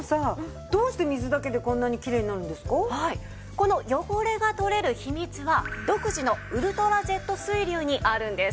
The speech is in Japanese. この汚れが取れる秘密は独自のウルトラジェット水流にあるんです。